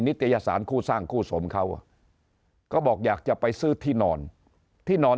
ิตยสารคู่สร้างคู่สมเขาก็บอกอยากจะไปซื้อที่นอนที่นอน